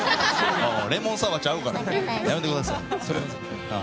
レモンサワーちゃうからやめてくださいよ。